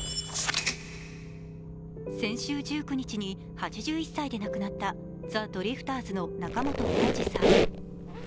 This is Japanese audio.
先週１９日に、８１歳で亡くなったザ・ドリフターズの仲本工事さん。